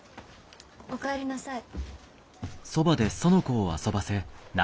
お帰りなさい。